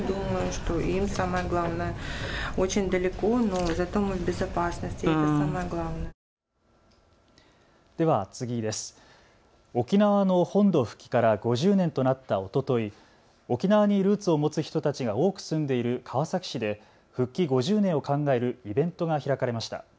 沖縄の本土復帰から５０年となったおととい、沖縄にルーツを持つ人たちが多く住んでいる川崎市で復帰５０年を考えるイベントが開かれました。